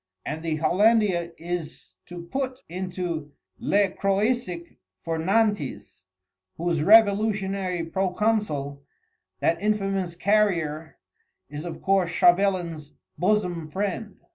And the Hollandia is to put into Le Croisic for Nantes, whose revolutionary proconsul, that infamous Carrier, is of course Chauvelin's bosom friend."